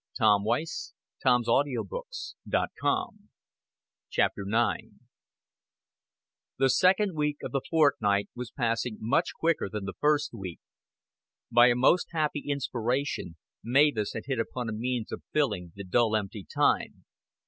There is a cruel lot of sorrow in most people's lives. IX The second week of the fortnight was passing much quicker than the first week. By a most happy inspiration Mavis had hit upon a means of filling the dull empty time.